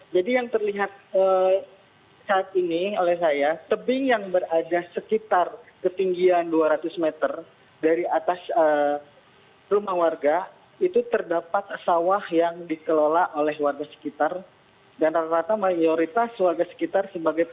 jadi yang terlihat saat ini oleh saya tebing yang berada sekitar ketinggian dua ratus meter dari atas rumah warga itu terdapat sawah yang dikelola oleh warga sekitar